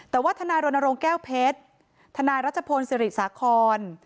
แต่ว่าทนายโรนโลงแก้วเพชรทนายรัชโภณศิริสาคร